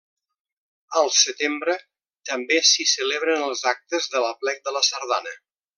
Al setembre també s'hi celebren els actes de l'aplec de la sardana.